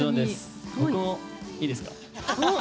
僕もいいですか。